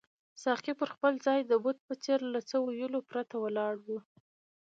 ساقي پر خپل ځای د بت په څېر له څه ویلو پرته ولاړ وو.